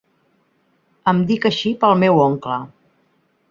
Em dic així pel meu oncle.